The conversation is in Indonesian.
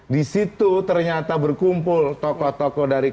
di situ ternyata berkumpul tokoh tokoh dari